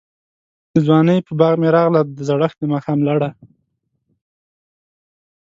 دځوانۍپه باغ می راغله، دزړښت دماښام لړه